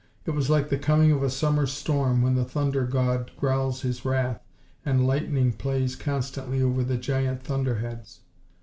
It was like the coming of a summer storm when the thunder god growls his wrath and lightning plays constantly over the giant thunderheads.